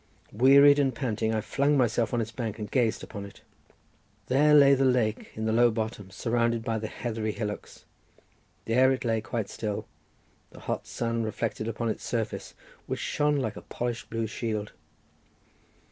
Wearied and panting, I flung myself on its bank, and gazed upon it. There lay the lake in the low bottom, surrounded by the heathery hillocks; there it lay quite still, the hot sun reflected upon its surface, which shone like a polished blue shield.